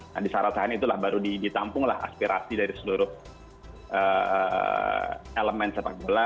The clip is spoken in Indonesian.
nah di sarosahan itulah baru ditampunglah aspirasi dari seluruh elemen sepak bola